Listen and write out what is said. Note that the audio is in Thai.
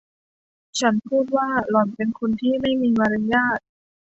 ฉันพูดว่า หล่อนเป็นคนที่ไม่มีมารยาท